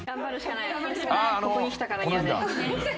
ここに来たからにはね。